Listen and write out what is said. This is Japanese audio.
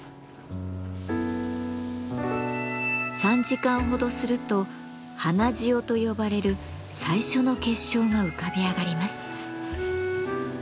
３時間ほどすると花塩と呼ばれる最初の結晶が浮かび上がります。